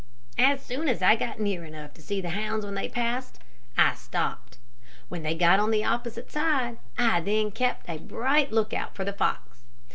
As soon as I got near enough to see the hounds when they passed, I stopped. When they got on the opposite side, I then kept a bright lookout for the fox.